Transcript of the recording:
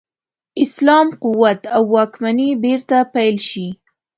اسلام قوت او واکمني بیرته پیل شي.